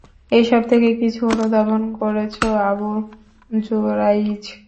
এসব থেকে কিছু অনুধাবন করেছ আবু যুরাইয?